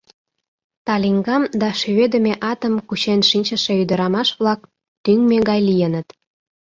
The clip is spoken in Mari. Талиҥгам да шӱведыме атым кучен шинчыше ӱдырамаш-влак тӱҥмӧ гай лийыныт.